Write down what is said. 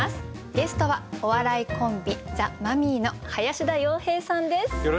ゲストはお笑いコンビザ・マミィの林田洋平さんです。